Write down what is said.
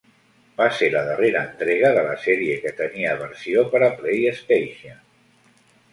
Va ser la darrera entrega de la sèrie que tenia versió per a PlayStation.